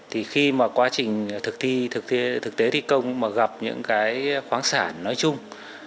thì khi mà quá trình thực thi thực tế thi công mà gặp những cái khoáng sản nói chung